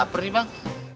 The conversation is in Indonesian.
naper nih bang